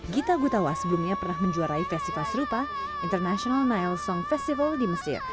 gita gutawa sebelumnya pernah menjuarai festival serupa international nile song festival di mesir